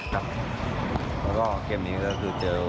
ครับแล้วก็เกมนี้ก็คือเจอ